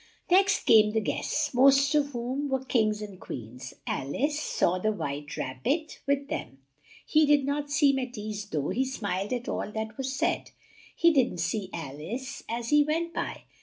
Next came the guests, most of whom were Kings and Queens. Al ice saw the White Rab bit, with them. He did not seem at ease though he smiled at all that was said. He didn't see Al ice as he went by.